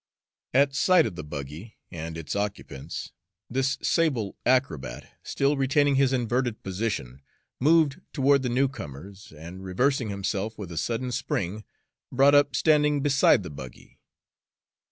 At sight of the buggy and its occupants this sable acrobat, still retaining his inverted position, moved toward the newcomers, and, reversing himself with a sudden spring, brought up standing beside the buggy.